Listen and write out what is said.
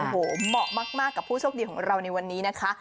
โอ้โหเหมาะมากกับผู้โชคดีของเราในวันนี้นะคะ